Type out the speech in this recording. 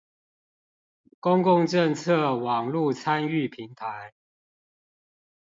公共政策網路參與平台